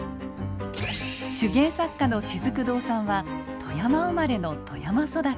手芸作家のしずく堂さんは富山生まれの富山育ち。